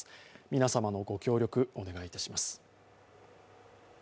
皆様のご協力、お願いいたします